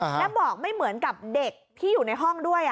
และบอกไม่เหมือนกับเด็กที่อยู่ในห้องด้วย